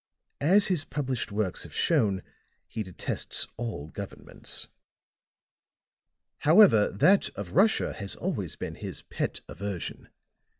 As his published works have shown, he detests all governments; however, that of Russia has always been his pet aversion.